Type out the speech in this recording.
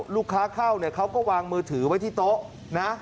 ลูกค้าเข้าเขาก็วางมือถือไว้ที่โต๊ะ